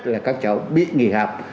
là các cháu bị nghỉ học